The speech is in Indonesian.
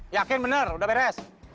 yakin bener udah beres